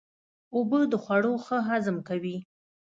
اوبه د خوړو ښه هضم کوي.